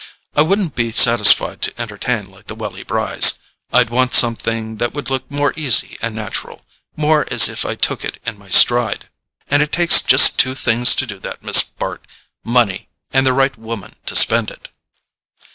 I wouldn't be satisfied to entertain like the Welly Brys; I'd want something that would look more easy and natural, more as if I took it in my stride. And it takes just two things to do that, Miss Bart: money, and the right woman to spend it."